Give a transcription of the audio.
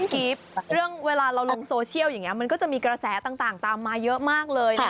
กิฟต์เรื่องเวลาเราลงโซเชียลอย่างนี้มันก็จะมีกระแสต่างตามมาเยอะมากเลยนะ